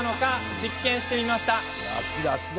実験してみました。